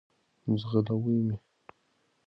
ځغلوی مي .